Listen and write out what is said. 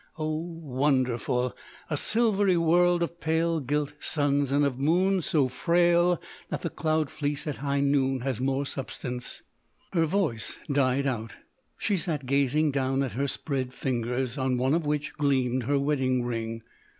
Oh, wonderful,—a silvery world of pale gilt suns and of moons so frail that the cloud fleece at high noon has more substance!" Her voice died out; she sat gazing down at her spread fingers, on one of which gleamed her wedding ring.